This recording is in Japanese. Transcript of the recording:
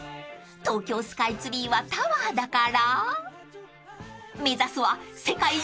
［東京スカイツリーはタワーだから目指すは］